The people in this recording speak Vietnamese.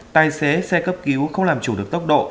tài xế xe cấp cứu không làm chủ được tốc độ